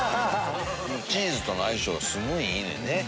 チーズとの相性がすごいいいねんね。